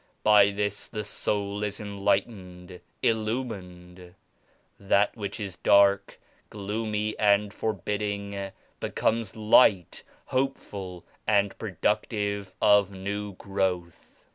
By this the soul is enlightened, il lumined. fThat which is dark, gloomy and for bidding becomes light, hopeful and productive of new growth.